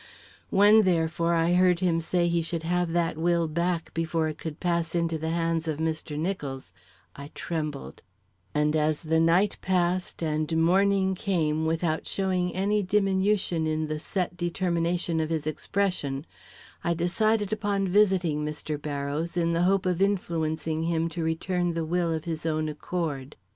When, therefore I heard him say he should have that will back before it could pass into the hands of Mr. Nicholls, I trembled; and as the night passed and morning came without showing any diminution in the set determination of his expression, I decided upon visiting Mr. Barrows, in the hope of influencing him to return the will of his own accord.